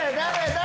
誰？